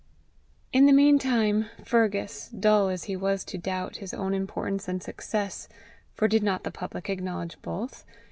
In the mean time Fergus, dull as he was to doubt his own importance and success for did not the public acknowledge both?